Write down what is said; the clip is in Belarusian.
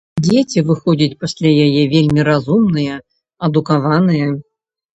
Дзеці выходзяць пасля яе вельмі разумныя, адукаваныя.